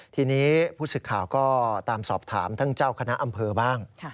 ทีนี้ผู้สื่อข่าวก็ตามสอบถามท่านเจ้าคณะอำเภอบ้าง